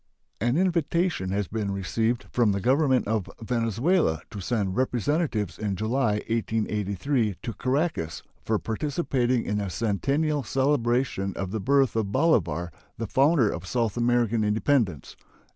An invitation has been received from the Government of Venezuela to send representatives in July, 1883, to Caracas for participating in the centennial celebration of the birth of Bolivar, the founder of South American independence.